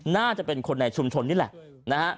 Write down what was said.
น่าจะเป็นคนในชุมชนนี่แหละนะฮะ